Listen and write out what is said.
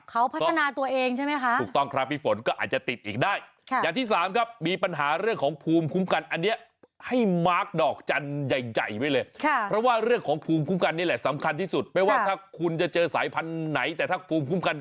เขาพัฒนาตัวเองใช่ไหมคะ